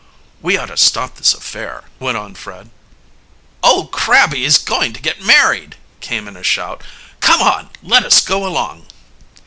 "We ought to stop this affair," went on Fred. "Old Crabby is going to get married!" came in a shout. "Come on, let us go along!"